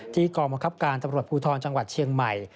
กองบังคับการตำรวจภูทรจังหวัดเชียงใหม่